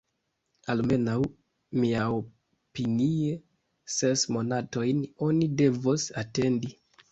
Almenaŭ, miaopinie, ses monatojn oni devos atendi.